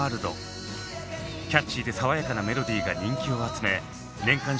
キャッチーで爽やかなメロディーが人気を集め年間